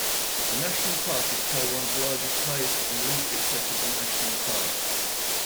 The national park is Taiwan's largest, highest and least accessible national park.